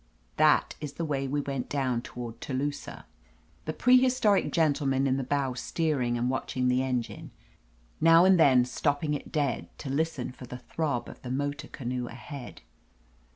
That is the way we went down toward Telu sah : the prehistoric gentleman in the bow steer ing and watching the engine, now and then stopping it dead to listen for the throb of the motor canoe ahead.